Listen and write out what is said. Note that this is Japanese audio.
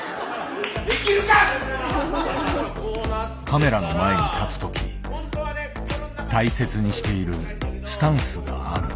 カメラの前に立つ時大切にしているスタンスがある。